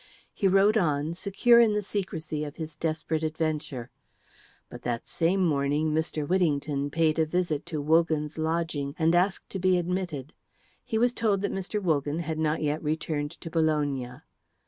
He rode on, secure in the secrecy of his desperate adventure. But that same morning Mr. Whittington paid a visit to Wogan's lodging and asked to be admitted. He was told that Mr. Wogan had not yet returned to Bologna.